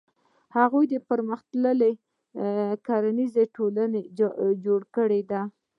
هغوی پرمختللې کرنیزه ټولنه جوړه کړې ده.